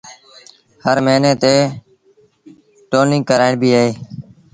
هر موهيݩي تي ٽونيٚنگ ڪرآئيبيٚ اهي